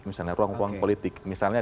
misalnya ruang ruang politik misalnya